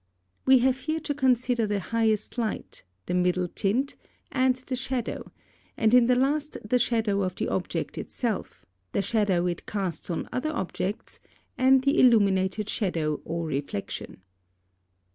We have here to consider the highest light, the middle tint, and the shadow, and in the last the shadow of the object itself, the shadow it casts on other objects, and the illumined shadow or reflexion.